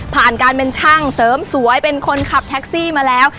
ผ่านการเป็นช่างเสริมสวยเป็นคนขับแท็กซี่มาแล้ว